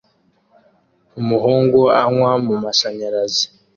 Umuhungu anywa mumashanyarazi